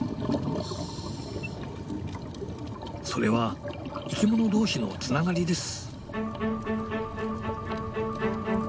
それは生きもの同士のつながりです。